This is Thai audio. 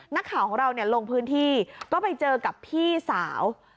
นักข่าวของเราลงพื้นที่ก็ไปเจอกับพี่สาว